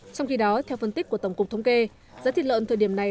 trong khi đó theo phân tích của tổng cục thống kê giá thịt lợn thời điểm này